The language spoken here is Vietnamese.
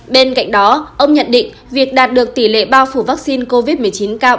bên cạnh đó ông nhận định việc đạt được tỷ lệ bao phủ vaccine covid một mươi chín cao